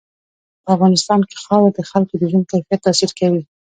په افغانستان کې خاوره د خلکو د ژوند کیفیت تاثیر کوي.